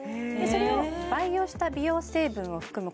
それを培養した美容成分を含む